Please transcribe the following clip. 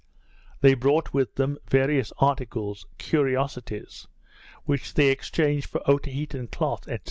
They brought with them various articles (curiosities), which they exchanged for Otaheitean cloth, &c.